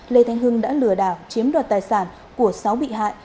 lê thanh hưng đã lừa đảo chiếm đoạt tài sản của sáu bị hại